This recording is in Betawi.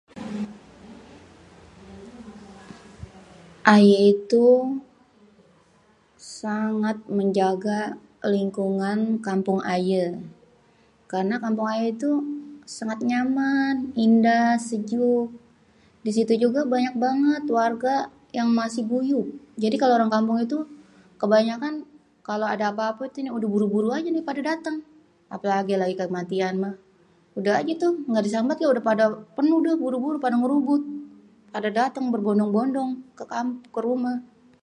Ayé itu sangat menjaga lingkungan kampung aye. Karna kampung ayé tuh sangat nyaman, indah, sejuk. Di situ juga banyak banget warga yang masih guyup. Jadi kalo orang kampung itu, kebanyakan kalo ada apa-apa udah buru-buru aja nih pada dateng. Apalagi kalo lagi kematian mah, udah aja tu nggak disambat juga udah pada penuh dah pada buru-buru ngerubut, pada dateng berbondong-bondong ke rumah.